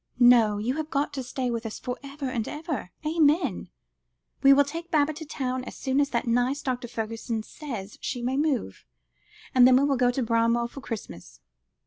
No, you have got to stay with us for ever and ever, amen; we will take Baba to town as soon as that nice Dr. Fergusson says she may move, and then we will go to Bramwell for Christmas."